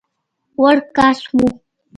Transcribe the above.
وړ کس وو.